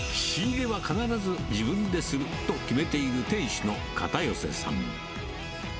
仕入れは必ず自分ですると決めている店主の片寄さん。